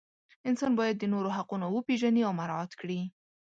انسان باید د نورو حقونه وپیژني او مراعات کړي.